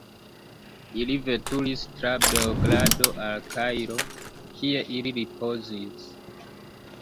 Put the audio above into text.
Ili veturis tra Beogrado al Kairo, kie ili ripozis.